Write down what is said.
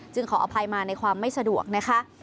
ขออภัยมาในความไม่สะดวกนะคะ